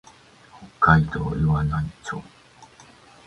北海道岩内町